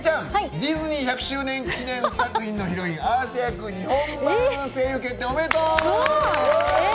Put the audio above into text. ディズニー１００周年記念作品のヒロインアーシャ役、日本版声優決定おめでとう！